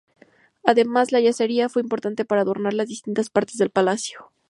Además, la yesería fue importante para adornar las distintas partes del palacio.